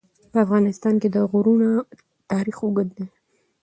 په افغانستان کې د غرونه تاریخ اوږد دی.